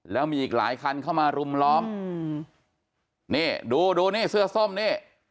แล้วมีอีกหลายคันเข้ามารุมล้อมอืมนี่ดูดูนี่เสื้อส้มนี่